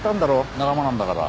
仲間なんだから。